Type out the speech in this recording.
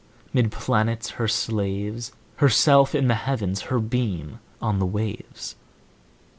'Mid planets her slaves, Herself in the Heavens, Her beam on the waves.